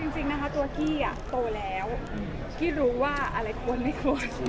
จริงนะคะตัวกี้โตแล้วกี้รู้ว่าอะไรควรไม่ควร